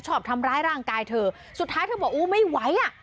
ชอบทำร้ายร่างกายเธอสุดท้ายเธอบอกอู้ไม่ไหวอ่ะ